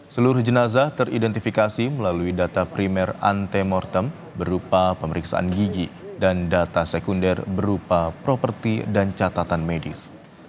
seluruh jenazah teridentifikasi melalui data primer antemortem berupa pemeriksaan gigi dan data sekunder berupa properti dan catatan medis